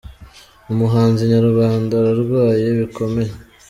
Umuhanzi nyarwanda ararwaye bikomeye